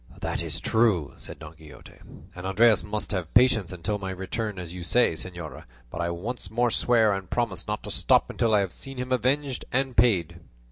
"That is true," said Don Quixote, "and Andres must have patience until my return as you say, señora; but I once more swear and promise not to stop until I have seen him avenged and paid."